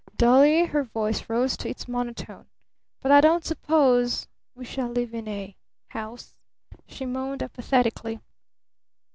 Dully her voice rose to its monotone: "But I don't suppose we shall live in a house," she moaned apathetically.